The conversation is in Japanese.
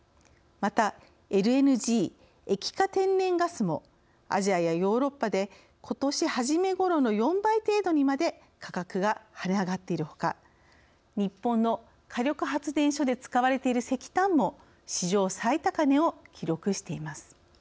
またＬＮＧ＝液化天然ガスもアジアやヨーロッパでことし初めごろの４倍程度にまで価格が跳ね上がっているほか日本の火力発電所で使われている石炭も史上最高値を記録しています。